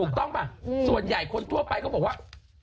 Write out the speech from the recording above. ถูกต้องป่ะส่วนใหญ่คนทั่วไปก็บอกว่า